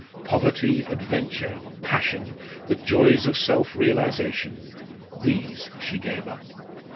Poverty, adventure, passion, the joys of self realisation these she gave up.